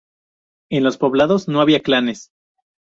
En los poblados no había clanes.